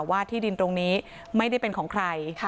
ว่าที่ดินตรงนี้ไม่ได้เป็นของใคร